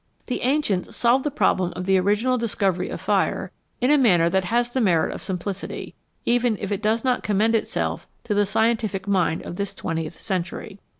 The ancients solved the problem of the original discovery of fire in a manner that has the merit of simplicity, even if it does not commend itself to the scientific mind of this 118 HOW FIRE IS MADE twentieth century.